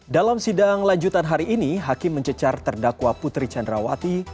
dalam sidang lanjutan hari ini hakim mencecar terdakwa putri candrawati